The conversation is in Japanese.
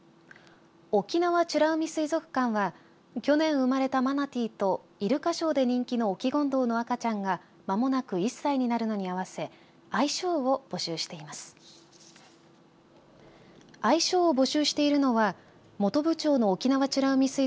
沖縄美ら海水族館は去年生まれたマナティーとイルカショーで人気のオキゴンドウの赤ちゃんがまもなく１歳になるのに合わせ愛称を募集しています。